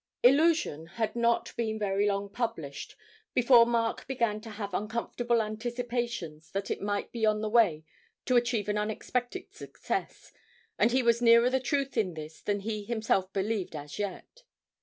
'Illusion' had not been very long published before Mark began to have uncomfortable anticipations that it might be on the way to achieve an unexpected success, and he was nearer the truth in this than he himself believed as yet.